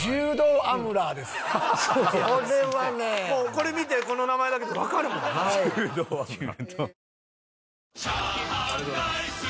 これ見てこの名前だけでわかるもんな。